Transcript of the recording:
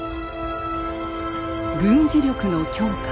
軍事力の強化。